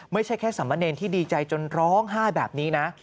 ไม่ใช่แค่สามเณรที่ดีใจจนร้องไห้แบบนี้นะ